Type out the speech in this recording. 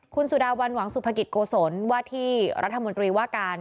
คุณสุดาวันหวังสุภกิจโกศลว่าที่รัฐมนตรีว่าการ